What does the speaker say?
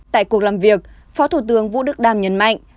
tại cuộc làm việc phó thủ tướng vũ đức đam nhấn mạnh